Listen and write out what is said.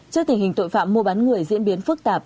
trước tình hình tội phạm mua bán người diễn biến phức tạp